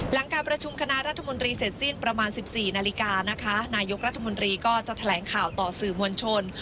หลังการประชุมคณะรัฐมนตรีเสร็จสิ้นประมาณ๑๔นาฬิกานะคะนายกรัฐมนตรีก็จะแถลงข่าวต่อสื่อมวลชน